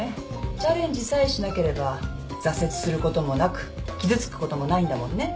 チャレンジさえしなければ挫折することもなく傷つくこともないんだもんね。